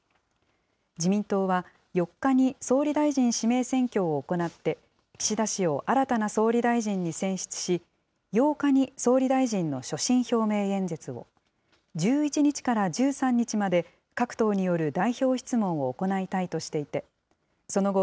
自民党は、４日に総理大臣指名選挙を行って、岸田氏を新たな総理大臣に選出し、８日に総理大臣の所信表明演説を、１１日から１３日まで、各党による代表質問を行いたいとしていて、その後、